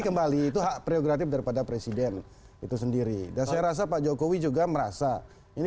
kembali itu hak prioritatif daripada presiden itu sendiri dan saya rasa pak jokowi juga merasa ini